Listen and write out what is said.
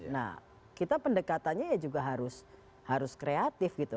nah kita pendekatannya ya juga harus kreatif gitu